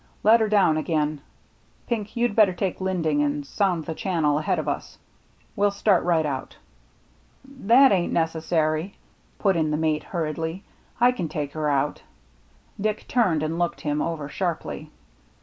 " Let her down again. Pink, you'd better take Linding and sound the channel ahead of us. We'll start right out." "That ain't necessary," put in the mate, hurriedly ;" I can take her out." Dick turned and looked him over sharply.